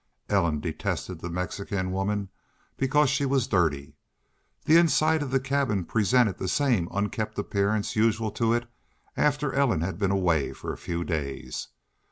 Ellen detested the Mexican woman because she was dirty. The inside of the cabin presented the same unkempt appearance usual to it after Ellen had been away for a few days.